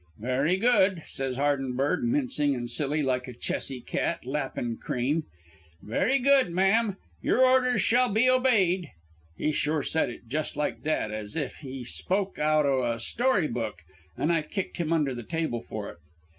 "'Very good,' says Hardenberg, mincing an' silly like a chessy cat lappin' cream. 'Very good, ma'am; your orders shall be obeyed.' He sure said it just like that, as if he spoke out o' a story book. An' I kicked him under the table for it.